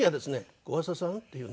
「小朝さん？」っていうね